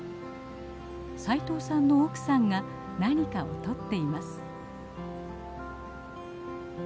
斉藤さんの奥さんが何かをとっています。